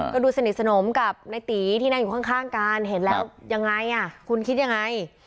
ก็ดูสนิทสนมกับในตีที่นั่งอยู่ข้างกันเห็นแล้วยังไงคุณคิดยังไง